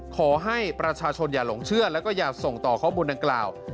ขอให้ประชาชนอย่าหลงเชื่อแล้วก็อย่าส่งต่อข้อมูลดังกล่าว